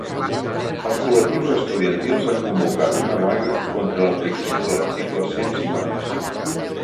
Els col·lectius estudiantils han convocat una vaga contra l’aplicació de l’article cent cinquanta-cinc.